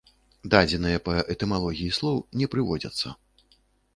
Дадзеныя па этымалогіі слоў не прыводзяцца.